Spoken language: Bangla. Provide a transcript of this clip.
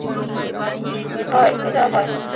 হয়, এটা হয়।